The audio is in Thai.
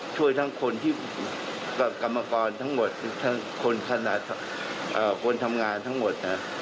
ช่วยทั้งคนที่กรรมกรทั้งหมดทั้งคนคณะคนทำงานทั้งหมด